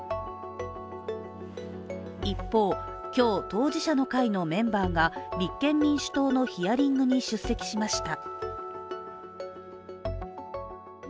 一方、今日、当事者の会のメンバーが立憲民主党のヒアリングに出席しました。